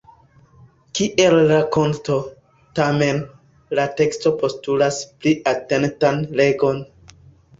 Kiel rakonto, tamen, la teksto postulas pli atentan legon.